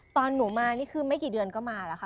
ตอนหนูมานี่คือไม่กี่เดือนก็มาแล้วค่ะ